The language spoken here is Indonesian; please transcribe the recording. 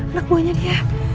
anak buahnya dia